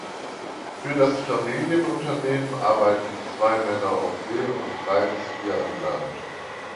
Für das Familienunternehmen arbeiten zwei Männer auf See und drei bis vier an Land.